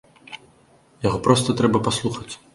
Яго проста трэба паслухаць.